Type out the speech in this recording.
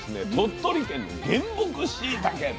鳥取県の原木しいたけと。